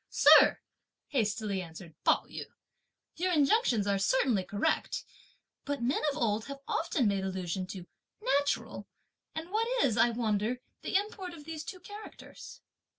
"Sir," hastily answered Pao yü, "your injunctions are certainly correct; but men of old have often made allusion to 'natural;' and what is, I wonder, the import of these two characters?"